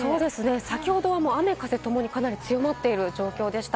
先ほどは雨風ともにかなり強まっている状況でした。